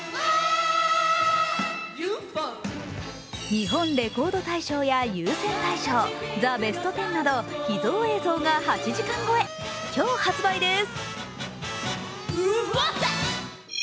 「日本レコード大賞」や「有線大賞」、「ベストワン」など秘蔵映像が８時間超え、今日発売です。